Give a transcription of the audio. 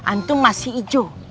antum masih ijo